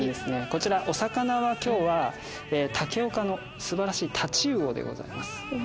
こちらお魚は今日は竹岡の素晴らしい太刀魚でございます。